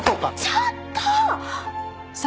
ちょっと！